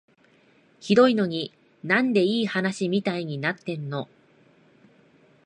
ひどいのに、なんでいい話みたいになってんの？